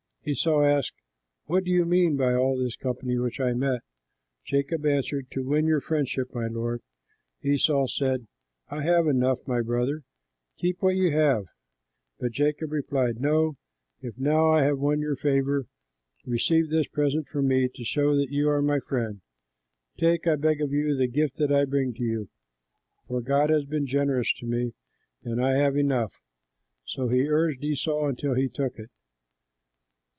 Esau asked, "What do you mean by all this company which I met?" Jacob answered, "To win your friendship, my lord." Esau said, "I have enough, my brother; keep what you have." But Jacob replied, "No, if now I have won your favor, receive this present from me to show that you are my friend. Take, I beg of you, the gift that I bring to you, for God has been generous to me, and I have enough." So he urged Esau until he took it.